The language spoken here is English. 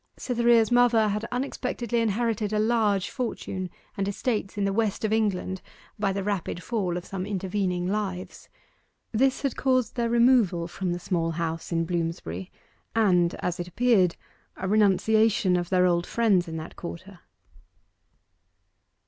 Cytherea's mother had unexpectedly inherited a large fortune and estates in the west of England by the rapid fall of some intervening lives. This had caused their removal from the small house in Bloomsbury, and, as it appeared, a renunciation of their old friends in that quarter.